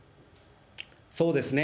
そうですね。